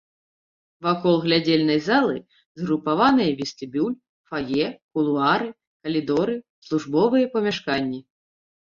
Вакол глядзельнай залы згрупаваныя вестыбюль, фае, кулуары, калідоры, службовыя памяшканні.